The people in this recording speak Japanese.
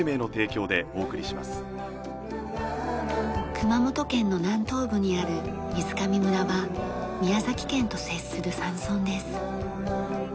熊本県の南東部にある水上村は宮崎県と接する山村です。